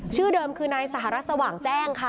ชื่อเดิมคือนายสหรัฐสว่างแจ้งค่ะ